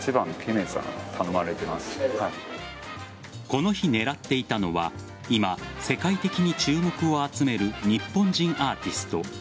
この日、狙っていたのは今、世界的に注目を集める日本人アーティスト